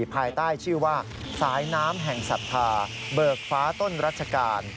ภายใต้ชื่อว่าสายน้ำแห่งศรัทธาเบิกฟ้าต้นรัชกาล